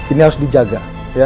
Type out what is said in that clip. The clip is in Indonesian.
ini harus dijaga